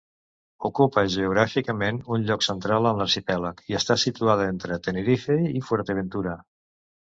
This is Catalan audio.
Ocupa geogràficament un lloc central en l'arxipèlag, i està situada entre Tenerife i Fuerteventura.